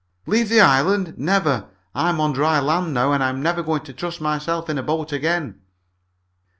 "Leave the island? Never! I'm on dry land now, and I'm never going to trust myself in a boat again."